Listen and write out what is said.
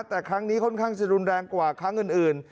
แต่ครั้งนี้ค่อนข้างจะรุนแรงกว่าครั้งอื่น